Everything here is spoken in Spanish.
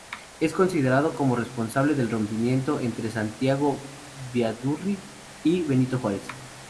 Es considerado como el responsable del rompimiento entre Santiago Vidaurri y Benito Juárez.